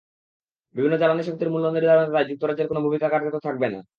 বিভিন্ন জ্বালানি শক্তির মূল্য নির্ধারণে তাই যুক্তরাজ্যের কোনো ভূমিকা কার্যত থাকবে না।